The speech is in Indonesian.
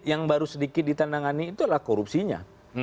yang baru sedikit ditandangan itu adalah korupsinya